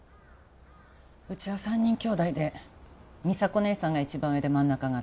うちは３人きょうだいで美沙子姉さんが一番上で真ん中が私